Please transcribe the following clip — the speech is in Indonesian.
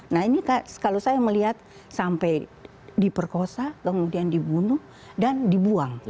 nah ini kalau saya melihat sampai diperkosa kemudian dibunuh dan dibuang